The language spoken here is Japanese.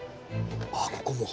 あっここも。